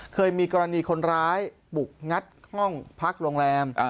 เคยมีกรณีคนร้ายบุกงัดห้องพักโรงแรม